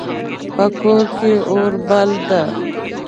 په کور کې اور بل ده